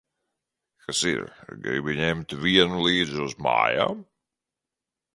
Kas ir, gribi ņemt vienu līdzi uz mājām?